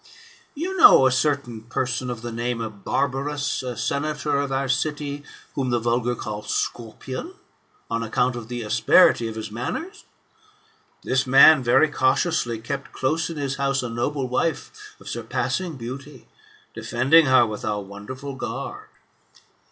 " You know a certain person of the name of Barbarus, a senator of our city, whom the vulgar call Scorpion, on account of the asperity of his manners. This man very cautiously kept close in his house a noble wife of surpassing beauty, defending her with a wonderful guard."